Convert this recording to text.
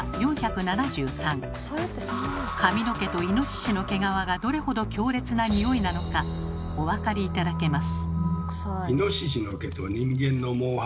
髪の毛とイノシシの毛皮がどれほど強烈なニオイなのかお分かり頂けます。